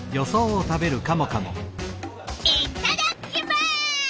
いっただきます！